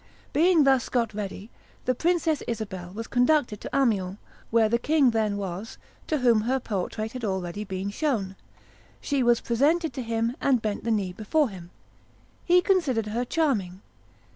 Being thus got ready, the Princess Isabel was conducted to Amiens, where the king then was, to whom her portrait had already been shown. She was presented to him, and bent the knee before him. He considered her charming.